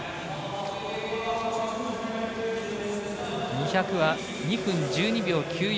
２００は２分１２秒９４。